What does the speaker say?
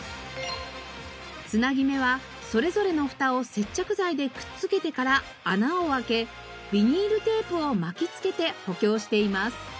繋ぎ目はそれぞれのふたを接着剤でくっつけてから穴を開けビニールテープを巻き付けて補強しています。